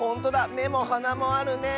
めもはなもあるねえ。